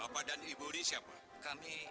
pak udah pak